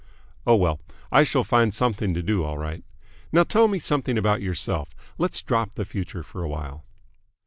Oh well, I shall find something to do all right. Now tell me something about yourself. Let's drop the future for awhile."